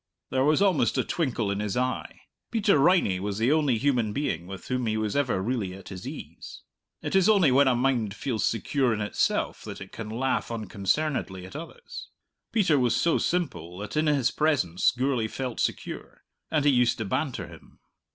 There was almost a twinkle in his eye. Peter Riney was the only human being with whom he was ever really at his ease. It is only when a mind feels secure in itself that it can laugh unconcernedly at others. Peter was so simple that in his presence Gourlay felt secure; and he used to banter him.